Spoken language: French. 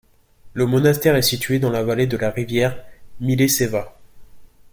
Le monastère est situé dans la vallée de la rivière Mileševa.